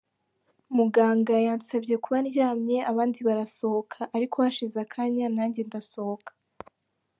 Muganga yansabye kuba ndyamye abandi barasohoka, ariko hashize akanya nanjye ndasohoka.